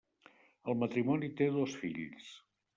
El matrimoni té dos fills.